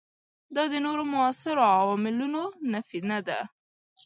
دا د نورو موثرو عواملونو نفي نه ده.